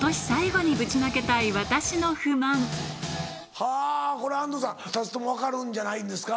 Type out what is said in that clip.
はぁこれ安藤さん２つとも分かるんじゃないんですか？